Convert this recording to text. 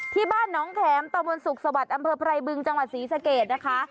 ที่บ้านน้องแข็มตะมนต์สุขสวัสดิ์อำเภอไพรบึงจังหวัดศรีสะเกดนะคะ